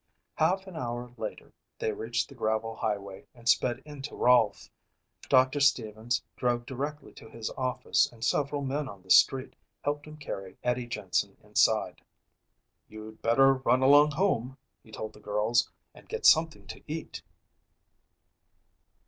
Half an hour later they reached the gravel highway and sped into Rolfe. Doctor Stevens drove directly to his office and several men on the street helped him carry Eddie Jensen inside. "You'd better run along home," he told the girls, "and get something to eat."